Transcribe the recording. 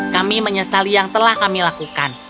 kami menyesali yang telah kami lakukan